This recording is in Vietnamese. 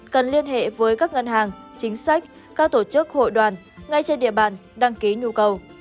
cần liên hệ với các ngân hàng chính sách các tổ chức hội đoàn ngay trên địa bàn đăng ký nhu cầu